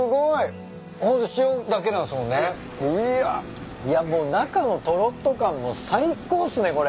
いやもう中のとろっと感も最高っすね